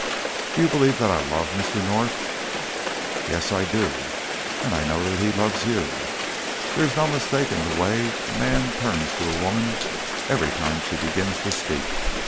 "Do you believe that I love Mr. North?" "Yes, I do. And I know that he loves you. There is no mistaking the way a man turns to a woman every time she begins to speak.